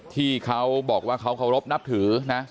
ที่เขาบอกว่าเขาเคารพนับถือนะ